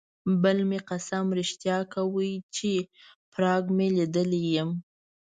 بل مې قسم رښتیا کاوه چې پراګ مې لیدلی یم.